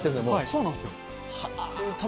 そうなんですよ。